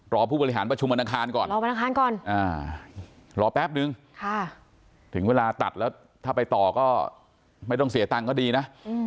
ผู้บริหารประชุมวันอังคารก่อนรอวันอังคารก่อนรอแป๊บนึงถึงเวลาตัดแล้วถ้าไปต่อก็ไม่ต้องเสียตังค์ก็ดีนะ